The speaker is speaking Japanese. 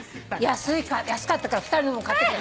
安かったから２人の分も買ってきた。